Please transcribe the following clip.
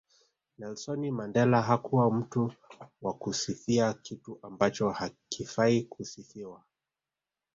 Nelsoni Mandela hakuwa mtu wa kusifia kitu ambacho hakifai kusifiwa